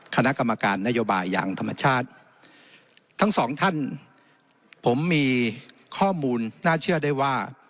คณะกรรมการนโยบายอย่างธรรมชาติทั้งสองท่านผมมีข้อมูลน่าเชื่อได้ว่า